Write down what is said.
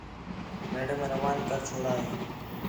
میڈم روان کر چھوڑا ہے